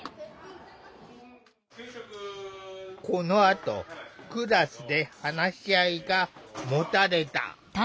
このあとクラスで話し合いが持たれた。